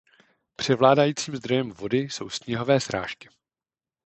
Převládajícím zdrojem vody jsou sněhové srážky.